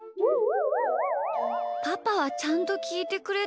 パパはちゃんときいてくれたな。